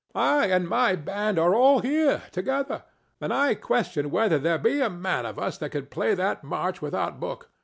I and my band are all here together, and I question whether there be a man of us that could play that march without book.